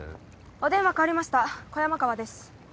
お電話代わりました小山川です。